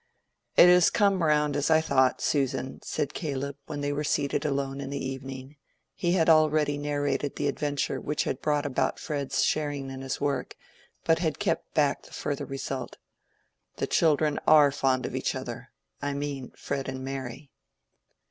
"It is come round as I thought, Susan," said Caleb, when they were seated alone in the evening. He had already narrated the adventure which had brought about Fred's sharing in his work, but had kept back the further result. "The children are fond of each other—I mean, Fred and Mary."